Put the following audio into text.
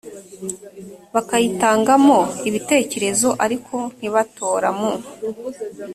bakayitangamo ibitekerezo ariko ntibatora mu